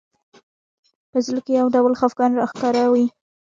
په زړه کې یو ډول خفګان راښکاره وي